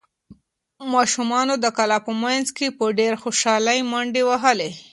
ماشومانو د کلا په منځ کې په ډېرې خوشحالۍ منډې وهلې.